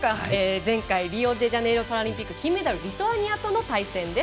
前回リオデジャネイロパラリンピック金メダル、リトアニアの対戦です。